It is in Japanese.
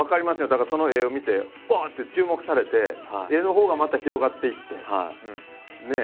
だからその絵を見てわって注目されて絵のほうがまた広がっていってねえ。